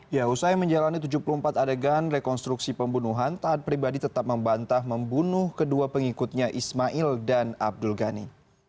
ya usai menjalani tujuh puluh empat adegan rekonstruksi pembunuhan taat pribadi tetap membantah membunuh kedua pengikutnya ismail dan abdul ghani